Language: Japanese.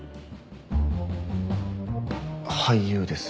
俳優です。